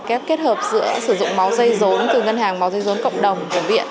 ghép kết hợp giữa sử dụng máu dây dốn từ ngân hàng máu dây dốn cộng đồng của viện